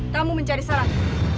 kamu mencari sarang